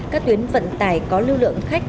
các tuyến vận tải có lưu lượng khách